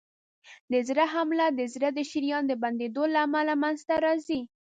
د زړه حمله د زړه د شریان د بندېدو له امله منځته راځي.